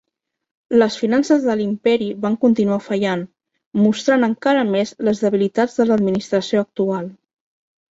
Les finances de l'imperi van continuar fallant, mostrant encara més les debilitats de l'administració actual.